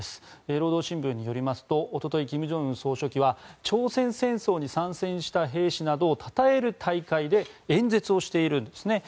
労働新聞によりますとおととい、金正恩総書記は朝鮮戦争に参戦した兵士などをたたえる大会で演説をしているんですね。